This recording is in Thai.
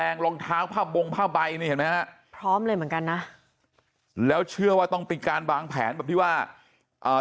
รองเท้าผ้าบงผ้าใบนี่เห็นไหมฮะพร้อมเลยเหมือนกันนะแล้วเชื่อว่าต้องเป็นการวางแผนแบบที่ว่าอ่า